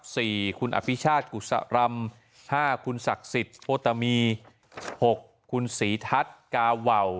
สี่คุณอภิชาติกุศรำห้าคุณศักดิ์สิทธิ์โภตามีหกคุณศรีทัศน์กาวาว